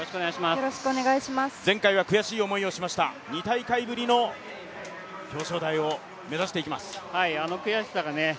前回は悔しい思いをしました、２大会ぶりの表彰台を目指していきます。